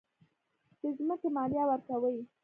د ځمکې مالیه ورکوئ؟